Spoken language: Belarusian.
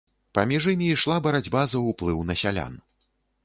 Паміж імі ішла барацьба за ўплыў на сялян.